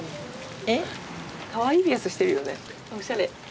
かわいいピアスしてるよねおしゃれ。